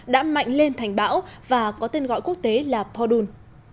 đã mạnh lên thành bão và có tên gọi quốc tế là podun